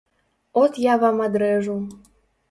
От я вам адрэжу.